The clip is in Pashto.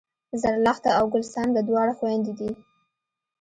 زرلښته او ګل څانګه دواړه خوېندې دي